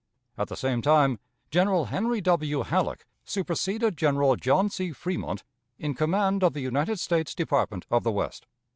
At the same time. General Henry W. Halleck superseded General John C. Fremont in command of the United States Department of the West.